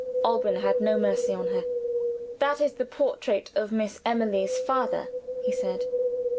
Alban had no mercy on her. "That is the portrait of Miss Emily's father," he said.